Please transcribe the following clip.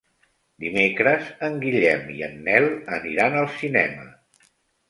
Dimecres en Guillem i en Nel aniran al cinema.